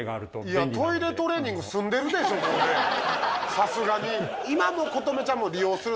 さすがに。